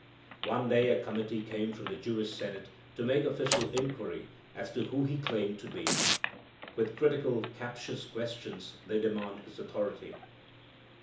One day a committee came from the Jewish Senate to make official inquiry as to who he claimed to be. With critical, captious questions they demand his authority.